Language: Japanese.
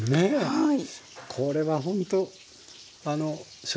はい。